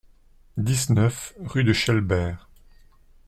dix-neuf rue de Chelbert